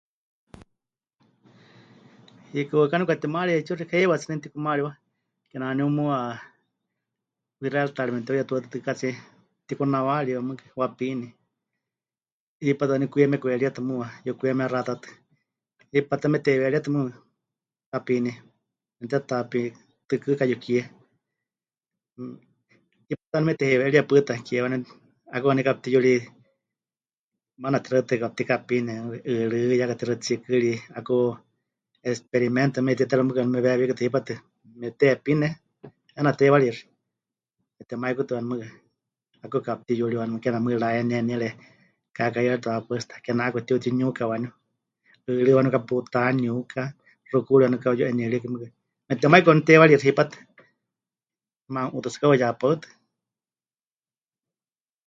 Hiikɨ waɨká nepɨkatimaarie 'eetsiwa xeikɨ́a, heiwa tsɨ nemɨtikumaariwa kename waníu muuwa, wixáritaari memɨte'uyetuatɨkɨkatsie tikunawariwa mɨɨkɨ wapiini, hipátɨ waaníu kwie mekweríetɨ muuwa, yukwie mexatatɨ, hipátɨ ta meteheiwe'eríetɨ mɨɨkɨ wapiini mepɨtetapitɨkɨka yukie, mmm, hipátɨ ta waaníu meteheiwe'eríe pɨta ke waaníu, 'aku waaníu kapɨtiyuri, maana tixaɨtɨ kapɨtikapiine, 'ɨɨrɨ́ ya katixaɨ tsikɨri, 'aku 'experimento waaníu mete'iterɨwátɨ, mɨɨkɨ waníu mewewíkutɨ hipátɨ mepɨtehepine 'eena teiwarixi, metemaikutɨ waaníu mɨɨkɨ, 'aku kapɨtiyuri waaníu kename mɨɨkɨ rayeneniere kakaaɨyarite wahepaɨtsita, kename 'aku tiutiniuka waaníu, 'ɨɨrɨ́ waaníu kaputaniuka, xukuuri waaniu kapɨyu'eniɨriɨkɨ mɨɨkɨ, mepɨtemaiku waaníu teiwarixi hipátɨ, me'anu'uútɨ tsɨ kauka ya paɨ tɨ.